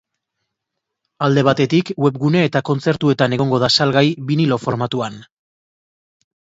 Alde batetik, webgune eta kontzertuetan egongo da salgai binilo formatuan.